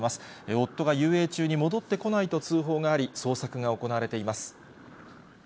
夫が遊泳中に戻ってこないと通報があり、捜索が行われています。